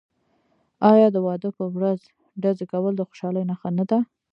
آیا د واده په ورځ ډزې کول د خوشحالۍ نښه نه ده؟